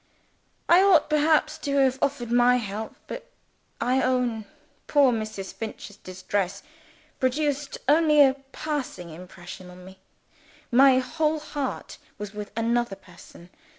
I ought perhaps to have offered my help but, I own, poor Mrs. Finch's distress produced only a passing impression on me. My whole heart was with another person.